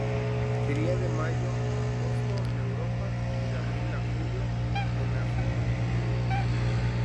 Cría de mayo a agosto en Europa y de abril a julio en África.